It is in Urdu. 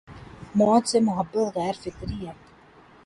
موت سے محبت غیر فطری ہے۔